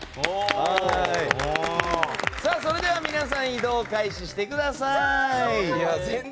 それでは皆さん移動を開始してください。